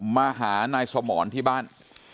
มาหานายสมรที่บ้าน